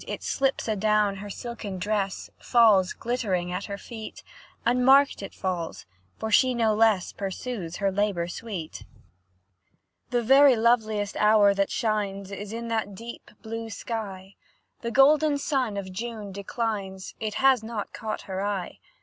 It slips adown her silken dress, Falls glittering at her feet; Unmarked it falls, for she no less Pursues her labour sweet. The very loveliest hour that shines, Is in that deep blue sky; The golden sun of June declines, It has not caught her eye.